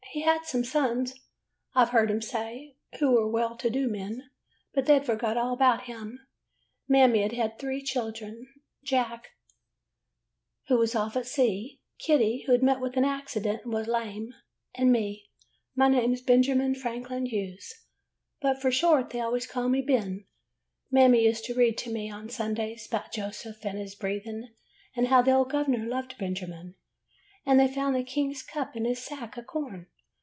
He had some sons, I Ve heard him say, who_were well to do men, but they 'd forgot all about him. Mammy 'd had three children — Jack, who was "' Went out and fixed the switch '" off at sea ; Kitty, who 'd met with an accident and was lame ; and me. My name 's Benjamin Franklin Hewes, but for short they always call me Ben. Mammy used to read to me on Sundays 'bout Joseph an' his brethren, and how the old gov'ner loved Benjamin, and they [ 51 ] AN EASTER LILY found the king's cup in his sack o' corn.